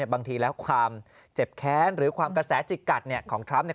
บางทีแล้วความเจ็บแค้นหรือความกระแสจิกกัดของทรัมป์